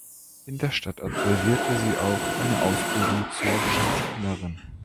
In der Stadt absolvierte sie auch eine Ausbildung zur Schauspielerin.